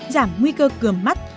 giảm nguy cơ cườm mắt